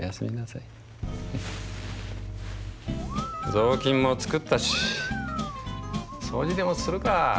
雑巾も作ったし掃除でもするか。